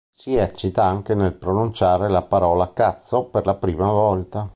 Si eccita anche nel pronunciare la parola "cazzo" per la prima volta.